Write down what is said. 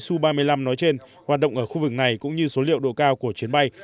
su ba mươi năm nói trên hoạt động ở khu vực này cũng như số liệu độ cao của chuyến bay